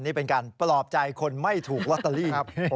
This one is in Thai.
นี่เป็นการปลอบใจคนไม่ถูกลอตเตอรี่